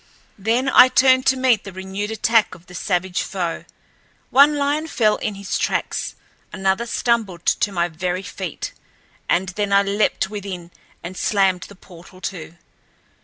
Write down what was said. Then I turned to meet the renewed attack of the savage foe. One lion fell in his tracks, another stumbled to my very feet, and then I leaped within and slammed the portal to.